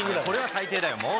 これは最低だよ